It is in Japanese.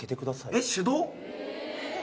えっ手動？